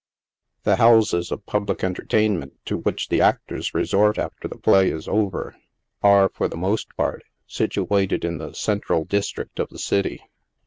The houses of public entertainment to which the actors resort after the play is over, are, for the most part, situated in the central district of the city.